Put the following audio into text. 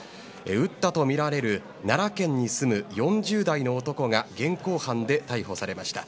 撃ったとみられる奈良県に住む４０代の男が現行犯で逮捕されました。